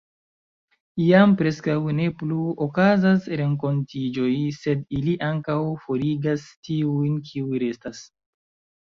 Jam preskaŭ ne plu okazas renkontiĝoj, sed ili ankaŭ forigas tiujn, kiuj restas.